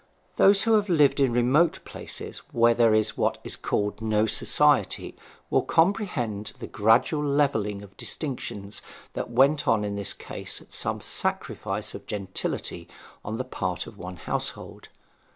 Those who have lived in remote places where there is what is called no society will comprehend the gradual levelling of distinctions that went on in this case at some sacrifice of gentility on the part of one household.